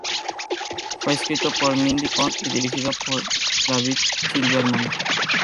Fue escrito por Mimi Pond y dirigido por David Silverman.